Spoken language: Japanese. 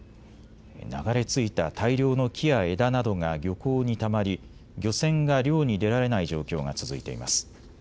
流れ着いた大量の木や枝などが漁港にたまり、漁船が漁に出られない状況が続いています。